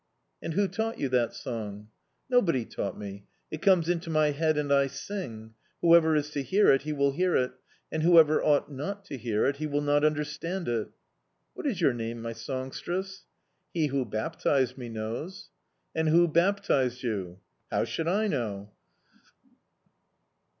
"And who taught you that song?" "Nobody taught me; it comes into my head and I sing; whoever is to hear it, he will hear it, and whoever ought not to hear it, he will not understand it." "What is your name, my songstress?" "He who baptized me knows." "And who baptized you?" "How should I know?"